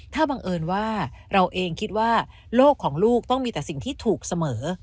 ถ้าบังเอิญว่าเราเองคิดว่าโลกของลูกต้องมีแต่สิ่งที่ถูกเสมอ